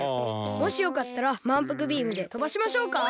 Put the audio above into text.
もしよかったらまんぷくビームでとばしましょうか？